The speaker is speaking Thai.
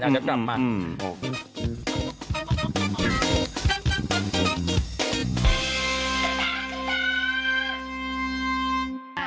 แล้วกลับมา